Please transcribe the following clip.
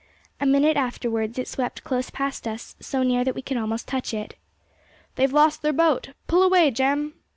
A minute afterwards it swept close past us, so near that we could almost touch it. 'They've lost their boat. Pull away, Jem!'